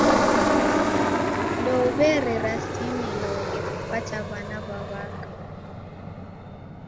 Ndowererasimiloghe kupata w'ana w'a w'aka.